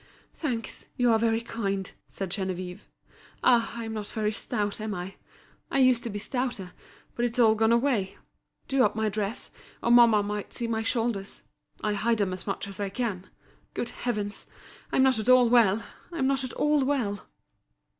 "Thanks, you are very kind," said Geneviève. "Ah! I'm not very stout, am I? I used to be stouter, but it's all gone away. Do up my dress or mamma might see my shoulders. I hide them as much as I can. Good heavens! I'm not at all well, I'm not at all well."